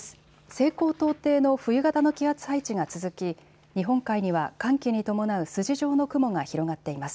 西高東低の冬型の気圧配置が続き日本海には寒気に伴う筋状の雲が広がっています。